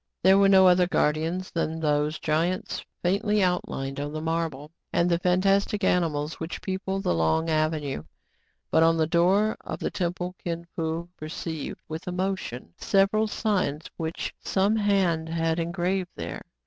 There were no other guardians than those giants faintly outlined on the marble, and the fan tastic animals which people the long avenue. But on the door of the temple Kin Fo perceived, with emotion, several signs which some hand had engraved there.